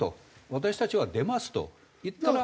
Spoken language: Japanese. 「私たちは出ます」と言ったら。